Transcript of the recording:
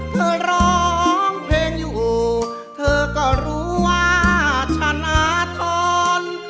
เธอร้องเพลงอยู่เธอก็รู้ว่าฉันอาธรณ์